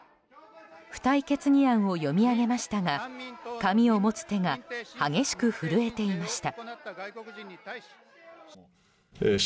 付帯決議案を読み上げましたが紙を持つ手が激しく震えていました。